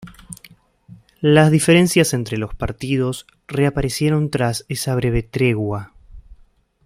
Las diferencias entre los partidos reaparecieron tras esa breve tregua.